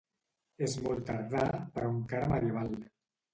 És molt tardà, però encara medieval.